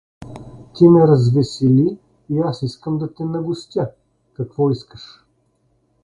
Ти ме развесели и аз искам да те нагостя, какво искаш?